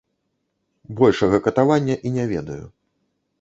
Большага катавання і не ведаю.